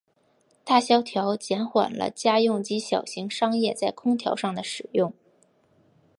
大萧条减缓了家用及小型商业在空调上的使用。